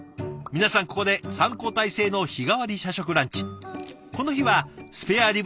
皆さんここで３交代制の日替わり社食ランチ。